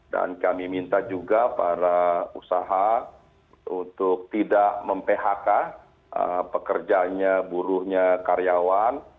dan kami minta juga para usaha untuk tidak memphk pekerjanya buruhnya karyawan